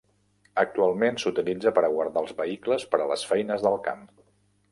Actualment s'utilitza per a guardar els vehicles per a les feines del camp.